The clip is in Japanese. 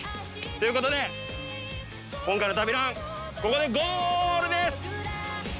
ということで、今回の旅ラン、ここでゴールです。